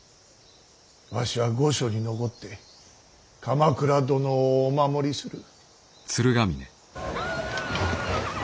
わしは御所に残って鎌倉殿をお守りする。